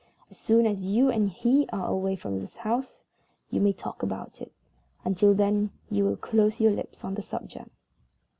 As soon as you and he are away from the house, you may talk about it. Until then, you will close your lips on the subject."